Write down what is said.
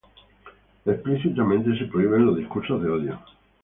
explícitamente se prohíben los discursos de odio